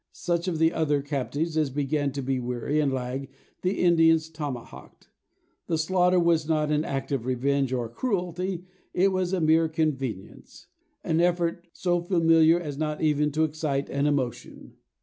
Such of the other captives as began to be weary, and lag, the Indians tomahawked. The slaughter was not an act of revenge or of cruelty; it was a mere convenience; an effort so familiar as not even to excite an emotion.